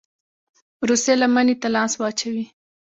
روسيې لمني ته لاس واچوي.